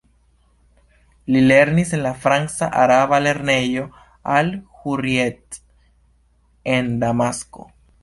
Li lernis en la franca-araba lernejo al-Hurrijet en Damasko.